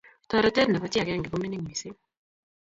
Toretet nebo chii agenge komining mising